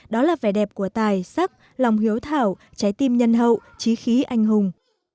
đó là vẻ đẹp của tài sắc lòng hiếu thảo trái tim nhân hậu trí khí anh hùng